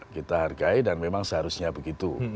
kita hargai dan memang seharusnya begitu